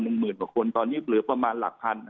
หมื่นกว่าคนตอนนี้เหลือประมาณหลักพัน